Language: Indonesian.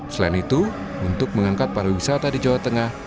selain itu untuk mengangkat pariwisata di jawa tengah